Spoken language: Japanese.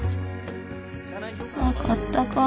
なかったか